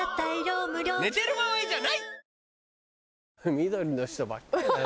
緑の人ばっかりだな。